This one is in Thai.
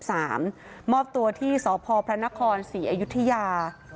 ได้ตั้งตัวที่สอพพรณคร๔อยธรียา